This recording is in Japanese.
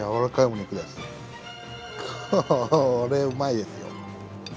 これ、うまいですよ。